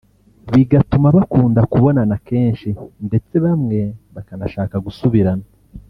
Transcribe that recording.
bigatuma bakunda kubonana kenshi ndetse bamwe bakanashaka gusubirana